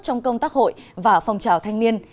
trong công tác hội và phong trào thanh niên